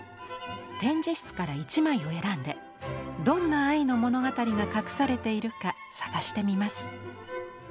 展示室から１枚を選んでどんな愛の物語が隠されているか探してみます。